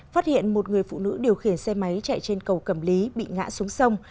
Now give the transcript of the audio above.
phát hiện một người phụ nữ điều khiển xe máy chạy trên cầu cẩm lý bị ngã xuống sông